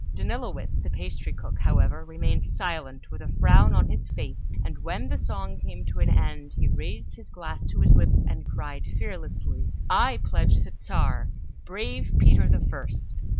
Danilowitz, the pastry cook, however, remained silent, with a frown on his face; and when the song came to an end, he raised his glass to his lips, and cried fearlessly, "I pledge the Czar, brave Peter the First!"